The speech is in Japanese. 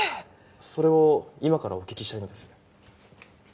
それを今からお聞きしたいんです。